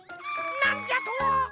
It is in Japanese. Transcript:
なんじゃと！？